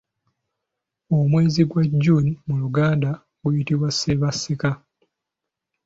Omwezi gwa June mu luganda guyitibwa Ssebaseka.